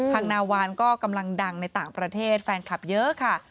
งนาวานก็กำลังดังในต่างประเทศแฟนคลับเยอะค่ะ